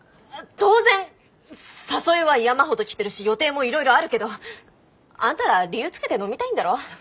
当然誘いは山ほど来てるし予定もいろいろあるけどあんたら理由つけて飲みたいんだろ？